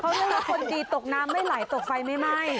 เขาเรียกว่าคนดีตกน้ำไม่ไหลตกไฟไม่ไหม้